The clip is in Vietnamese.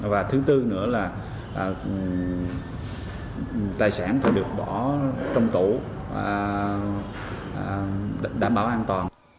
và thứ tư nữa là tài sản phải được bỏ trong tủ đảm bảo an toàn